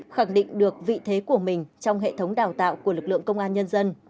khẳng định được vị thế của mình trong hệ thống đào tạo của lực lượng công an nhân dân